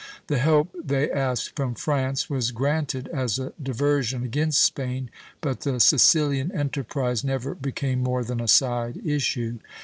The help they asked from France was granted as a diversion against Spain, but the Sicilian enterprise never became more than a side issue.